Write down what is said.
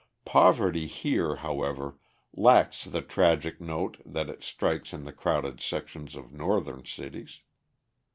Poverty here, however, lacks the tragic note that it strikes in the crowded sections of Northern cities.